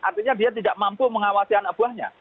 artinya dia tidak mampu mengawasi anak buahnya